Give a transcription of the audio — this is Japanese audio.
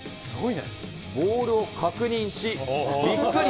ボールを確認し、びっくり。